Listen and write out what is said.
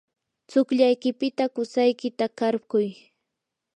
tsukllaykipita qusaykita qarquy.